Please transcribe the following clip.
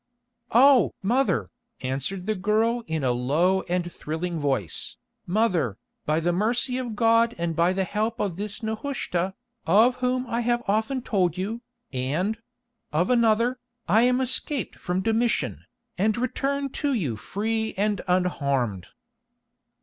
"Oh! mother," answered the girl in a low and thrilling voice, "mother, by the mercy of God and by the help of this Nehushta, of whom I have often told you, and—of another, I am escaped from Domitian, and return to you free and unharmed."